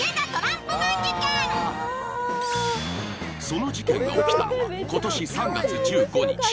その事件が起きたのは今年３月１５日。